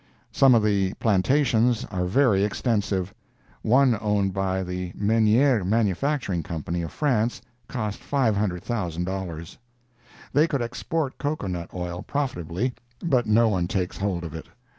Some of the plantations are very extensive. One owned by the Menier Manufacturing Company, of France, cost $500,000. They could export cocoa nut oil profitably, but no one takes hold of it.